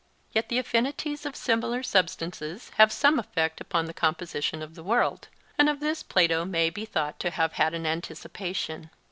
Yet the affinities of similar substances have some effect upon the composition of the world, and of this Plato may be thought to have had an anticipation.